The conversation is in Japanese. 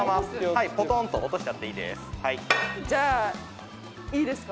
はいポトンと落としちゃっていいですじゃあいいですか？